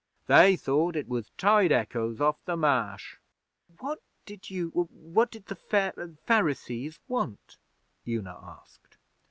They thought it was tide echoes off the Marsh.' 'What did you what did the fai Pharisees want?' Una asked.